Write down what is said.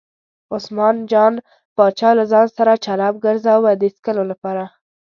عثمان جان پاچا له ځان سره چلم ګرځاوه د څکلو لپاره.